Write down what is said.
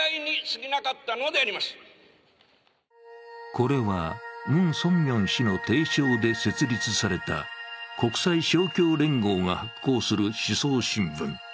これは文鮮明氏の提唱で設立された国際勝共連合が発行する思想新聞。